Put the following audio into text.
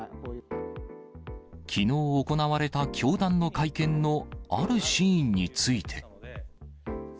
きのう行われた教団の会見のあるシーンについて。